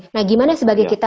nah gimana sebagai kita